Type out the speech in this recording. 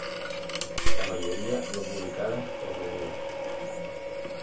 La mayoría no publicadas o reunidas.